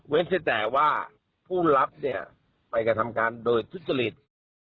เว้นเศรษฐ์แต่ว่าผู้รับเนี่ยไปกระทำการโดยสุจริต